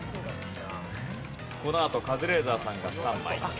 このあとカズレーザーさんがスタンバイ。